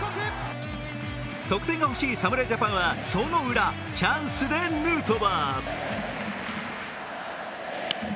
得点がほしい侍ジャパンはその裏、チャンスでヌートバー。